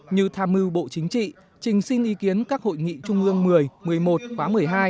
như tham mưu bộ chính trị trình xin ý kiến các hội nghị trung ương một mươi một mươi một khóa một mươi hai